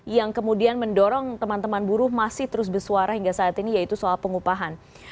yang kemudian mendorong teman teman buruh masih terus bersuara hingga saat ini yaitu soal pengupahan